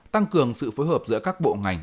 tăng cường sự phối hợp giữa các bộ ngành